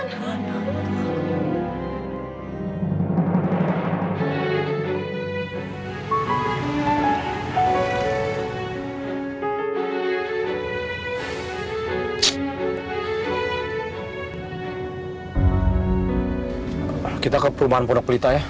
mukanya kok kayak stress banget